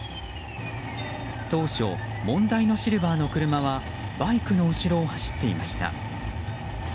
当初、問題のシルバーの車はバイクの後ろを走っていました。